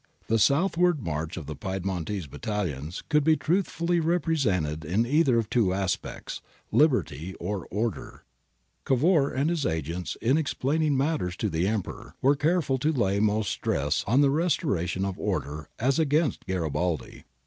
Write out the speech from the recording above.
^ The southward march of the Piedmontese battalions could be truthfully represented in either of two aspects — liberty or order, Cavour and his agents in explain ing matters to the Emperor were careful to lay most stress on the restoration of 'order' as against Garibaldi.